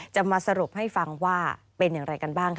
จะมาสรุปให้ฟังว่าเป็นอย่างไรกันบ้างค่ะ